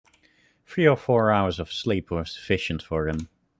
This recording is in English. Three or four hours of sleep were sufficient for him.